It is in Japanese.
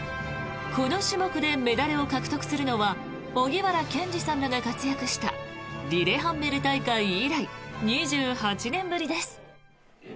この種目でメダルを獲得するのは荻原健司さんらが活躍したリレハンメル大会以来２８年ぶりです。